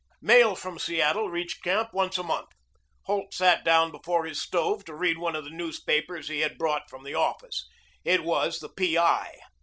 Mail from Seattle reached camp once a month. Holt sat down before his stove to read one of the newspapers he had brought from the office. It was the "P. I."